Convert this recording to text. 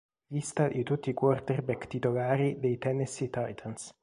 Lista di tutti i quarterback titolari dei Tennessee Titans.